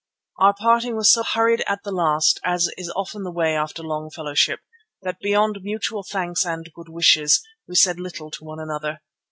Our parting was so hurried at the last, as is often the way after long fellowship, that beyond mutual thanks and good wishes we said little to one another.